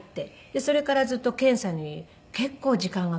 それからずっと検査に結構時間がかかって。